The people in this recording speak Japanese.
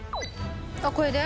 これで？